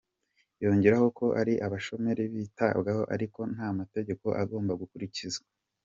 Yongeraho ko ari abashoramari bitabwaho ariko n’amategeko agomba gukurikizwa.